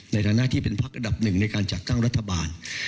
ในฐานะที่เป็นพักอันดับหนึ่งในการจัดตั้งรัฐบาล